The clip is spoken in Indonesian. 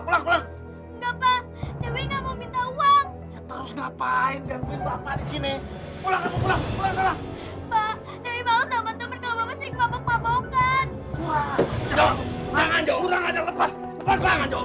saya takut ketahuan warga pak